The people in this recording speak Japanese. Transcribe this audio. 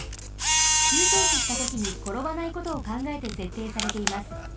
きゅうていししたときにころばないことをかんがえてせっていされています。